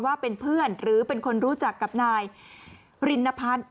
ว่าเป็นเพื่อนหรือเป็นคนรู้จักกับนายรินพัฒน์